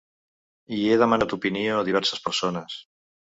I he demanat opinió a diverses persones.